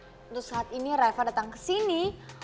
untuk saat ini reva datang ke sini